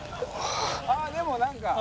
「ああでもなんか」